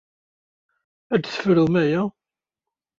Ad tefrum aya.